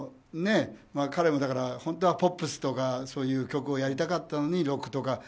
彼も、だから本当はポップスとかそういう曲をやりたかったのにロックとか。